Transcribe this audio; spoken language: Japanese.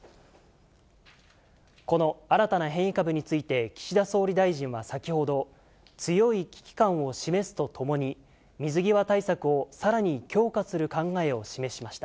この新たな変異株について、岸田総理大臣は先ほど、強い危機感を示すとともに、水際対策をさらに強化する考えを示しました。